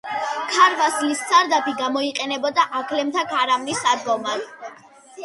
ქარვასლის სარდაფი გამოიყენებოდა აქლემთა ქარავნის სადგომად.